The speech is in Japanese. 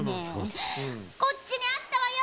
こっちにあったわよ！